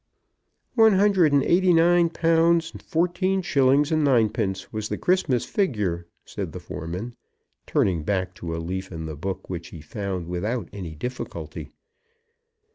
"One hundred and eighty nine pounds, fourteen shillings, and nine pence was the Christmas figure," said the foreman, turning back to a leaf in the book, which he found without any difficulty.